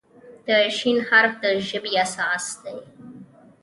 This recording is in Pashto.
د "ش" حرف د ژبې اساس دی.